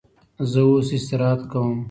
زه اوس استراحت کوم.